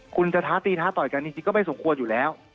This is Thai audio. คุณจะท้าตีท้าต่อยกันจริงก็ไม่สมควรอยู่แล้ว